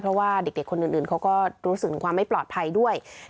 เพราะว่าเด็กคนอื่นเขาก็รู้สึกถึงความไม่ปลอดภัยด้วย